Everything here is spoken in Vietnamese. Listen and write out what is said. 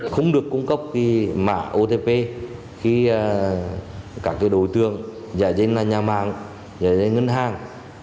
không được cung cấp mạng otp khi các đối tượng giải trình là nhà mạng giải trình ngân hàng